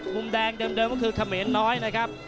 มุมแดงเดิมก็คือเขมรน้อยนะครับ